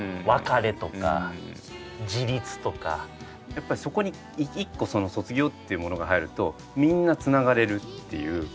やっぱりそこに一個「卒業」っていうものが入るとみんなつながれるっていう。